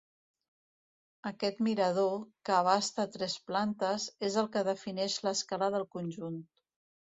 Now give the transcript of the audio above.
Aquest mirador, que abasta tres plantes, és el que defineix l'escala del conjunt.